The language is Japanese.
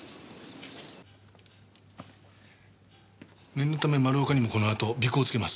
念のため丸岡にもこのあと尾行をつけます。